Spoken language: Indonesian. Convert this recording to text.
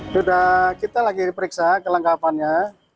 sudah kita lagi periksa kelengkapannya